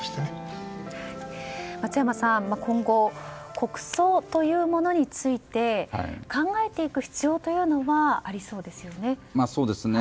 松山さん、今後国葬というものについて考えていく必要というのはありそうですよね。